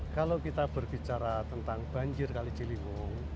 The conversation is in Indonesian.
kalau kita berbicara tentang banjir kali ciliwung